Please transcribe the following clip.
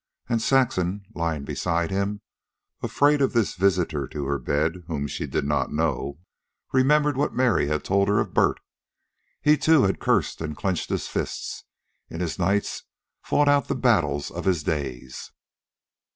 And Saxon, lying beside him, afraid of this visitor to her bed whom she did not know, remembered what Mary had told her of Bert. He, too, had cursed and clenched his fists, in his nights fought out the battles of his days.